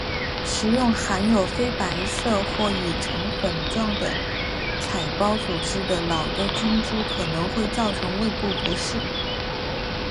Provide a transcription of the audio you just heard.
食用含有非白色或已成粉状的产孢组织的老的菌株可能会造成胃部不适。